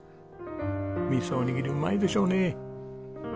味噌おにぎりうまいでしょうね。